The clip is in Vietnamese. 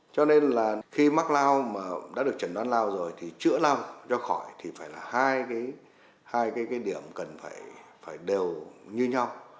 cho nên là khi mắc lao mà đã được chẩn đoán lao rồi thì chữa lao ra khỏi thì phải là hai cái điểm cần phải đều như nhau